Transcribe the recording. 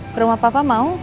ke rumah papa mau